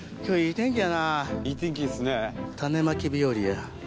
いい天気っすね。